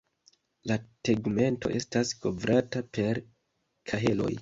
La tegmento estas kovrata per kaheloj.